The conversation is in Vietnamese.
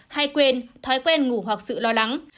hay quên thói quen ngủ hoặc sự lo lắng